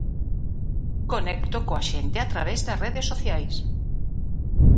Conecto coa xente a través das redes sociais.